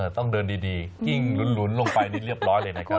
ต้องเดินดีกิ้งหลุนลงไปนี่เรียบร้อยเลยนะครับ